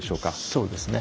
そうですね。